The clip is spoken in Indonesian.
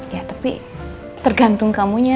ya tapi tergantung kamunya